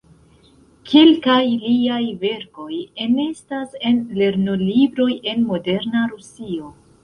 Kelkaj liaj verkoj enestas en lernolibroj en moderna Rusio.